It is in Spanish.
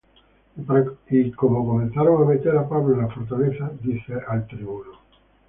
Y como comenzaron á meter á Pablo en la fortaleza, dice al tribuno: